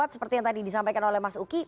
seperti yang tadi disampaikan oleh mas uki